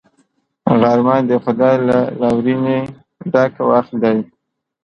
غرمه د خدای له لورینې ډک وخت دی